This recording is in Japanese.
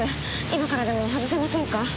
今からでも外せませんか？